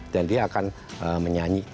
dan dia akan menyanyi